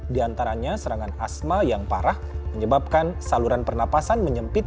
di antaranya serangan asma yang parah menyebabkan saluran pernapasan menyempit